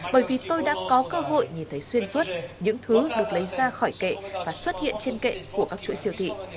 bởi vì tôi đã có cơ hội nhìn thấy xuyên suốt những thứ được lấy ra khỏi kệ và xuất hiện trên kệ của các chuỗi siêu thị